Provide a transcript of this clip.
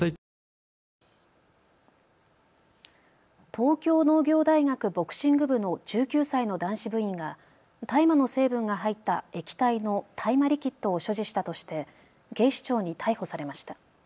東京農業大学ボクシング部の１９歳の男子部員が大麻の成分が入った液体の大麻リキッドを所持したとして警視庁に逮捕されました。